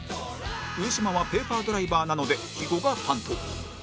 上島はペーパードライバーなので肥後が担当